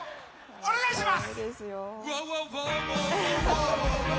お願いします。